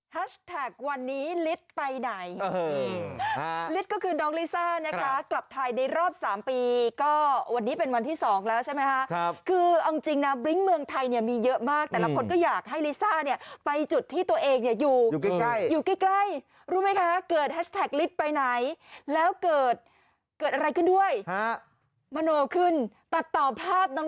วันนี้ฤทธิ์ไปไหนฤทธิ์ก็คือน้องลิซ่านะคะกลับไทยในรอบ๓ปีก็วันนี้เป็นวันที่๒แล้วใช่ไหมคะคือเอาจริงนะบลิ้งเมืองไทยเนี่ยมีเยอะมากแต่ละคนก็อยากให้ลิซ่าเนี่ยไปจุดที่ตัวเองเนี่ยอยู่ใกล้อยู่ใกล้รู้ไหมคะเกิดแฮชแท็กฤทธิ์ไปไหนแล้วเกิดเกิดอะไรขึ้นด้วยมโนขึ้นตัดต่อภาพน้อง